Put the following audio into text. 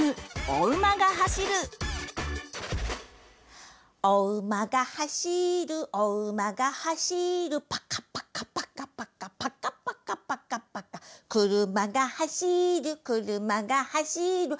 「おうまがはしるおうまがはしる」「パカパカパカパカパカパカパカパカ」「くるまがはしるくるまがはしる」